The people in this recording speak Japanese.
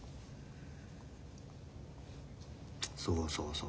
そうそうそう。